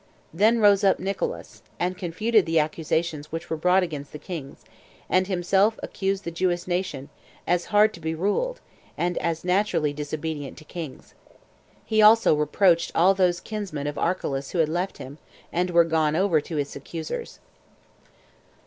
Then rose up Nicolaus, and confuted the accusations which were brought against the kings, and himself accused the Jewish nation, as hard to be ruled, and as naturally disobedient to kings. He also reproached all those kinsmen of Archelaus who had left him, and were gone over to his accusers.